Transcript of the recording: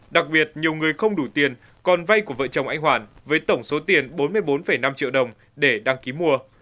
đặc biệt nhiều người không đủ tiền còn vay của vợ chồng anh hoàn với tổng số tiền bốn mươi bốn năm triệu đồng để đăng ký mua